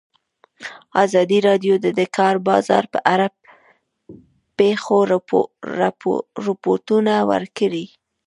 ازادي راډیو د د کار بازار په اړه د پېښو رپوټونه ورکړي.